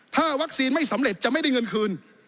ถ้าวัคซีนไม่สำเร็จจะไม่ได้เงินคืน